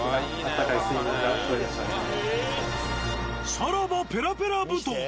さらばペラペラ布団。